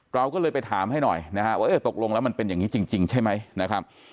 เราก็เลยไปถามให้หน่อยนะฮะว่าเออตกลงแล้วมันเป็นอย่างนี้จริงใช่ไหมนะครับ